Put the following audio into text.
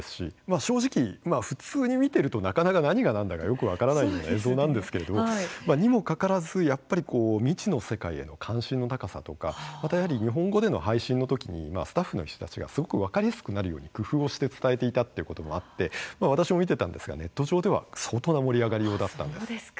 あ正直、まあ普通に見てるとなかなか何がなんだかよく分からないような映像なんですけれどにもかかわらず、やっぱりこう未知の世界への関心の高さとかまた日本語での配信のときにスタッフ人たちがすごく分かりやすくなるように工夫をして伝えていたっていうこともあって私も見ていたんですがネット上では、相当な盛り上がりようだったんです。